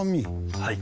はい。